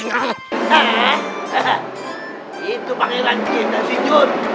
hehehe itu panggilan kita sih jun